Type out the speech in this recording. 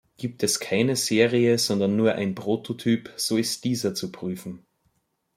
Gibt es keine Serie, sondern nur ein Prototyp, so ist dieser zu prüfen.